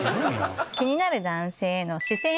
気になる男性への。